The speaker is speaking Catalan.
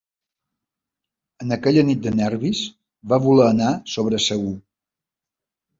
En aquella nit de nervis, va voler anar sobre segur.